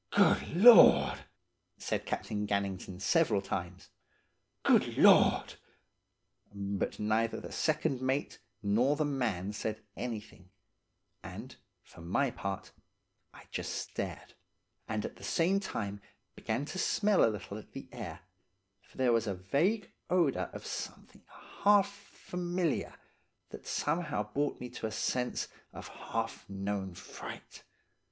"'Good lord!' said Captain Gannington several times. 'Good lord!' But neither the second mate nor the man said anything, and, for my part I just stared, and at the same time began to smell a little at the air, for there was a vague odour of something half familiar, that somehow brought to me a sense of half known fright.